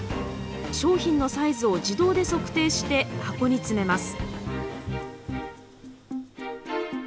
商品のサイズを自動で測定して箱に詰めます。